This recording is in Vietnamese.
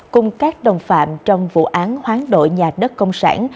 cùng các đồng phạm trong vụ án hoán đổi nhà đất công sản